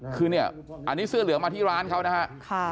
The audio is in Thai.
คือเนี่ยอันนี้เสื้อเหลืองมาที่ร้านเขานะฮะ